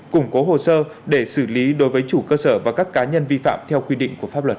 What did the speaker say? củng cố hồ sơ để xử lý đối với chủ cơ sở và các cá nhân vi phạm theo quy định của pháp luật